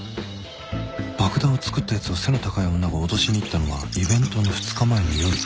爆弾を作ったやつを背の高い女が脅しに行ったのはイベントの２日前の夜